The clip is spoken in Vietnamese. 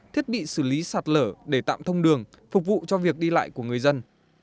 thiết bị xử lý sạt lở để tạm thông đường phục vụ cho việc đi lại của người dân